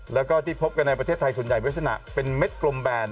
แล้วก็ที่พบกันในประเทศไทยส่วนใหญ่เป็นลักษณะเป็นเม็ดกลมแบน